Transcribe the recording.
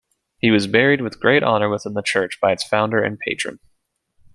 He was buried with great honour within the church by its founder and patron.